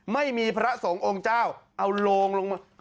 ไม่มีพระสงฆ์องค์เจ้าเอาโลงลงมา